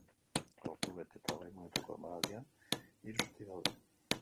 Ordubete eta hogei minutuko emaldian, hiru zati daude.